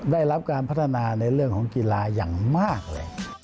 ได้รับการพัฒนาในเรื่องของกีฬาอย่างมากเลย